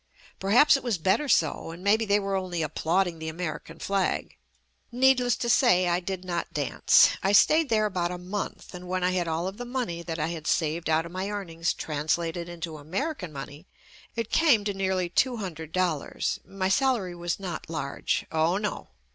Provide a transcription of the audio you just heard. Perhaps it was better so, and maybe they were only applauding the Ameri can flag. Needless to say I did not dance. I stayed there about a month, and when I had all of the money that I had saved out of my earnings translated into American money, it came to nearly two hundred dollars. My salary was not large. Oh no!